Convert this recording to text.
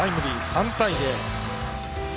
３対０。